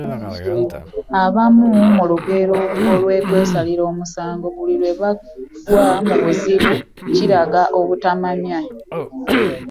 Abali mu lugero okwesalira omusango buli lwe bagwa mu buzibu kiraga obutamanya.